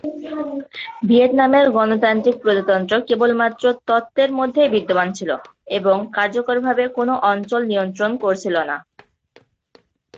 ভিয়েতনামের গণতান্ত্রিক প্রজাতন্ত্র কেবলমাত্র তত্ত্বের মধ্যেই বিদ্যমান ছিল এবং কার্যকরভাবে কোনও অঞ্চল নিয়ন্ত্রণ করছিল না।